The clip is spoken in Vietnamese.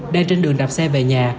đang trên đường đạp xe về nhà